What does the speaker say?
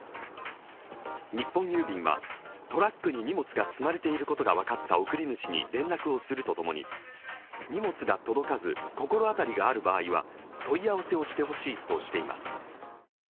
日本郵便はトラックに荷物が積まれていることが分かった送り主に連絡をするとともに、荷物が届かず心当たりがある場合は問い合わせをしてほしいとしています。